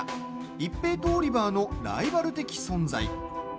一平とオリバーのライバル的存在。